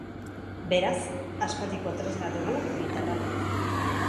Beraz, aspaldiko tresna dugu gitarra.